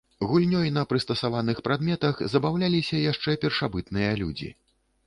Гульнёй на прыстасаваных прадметах забаўляліся яшчэ першабытныя людзі.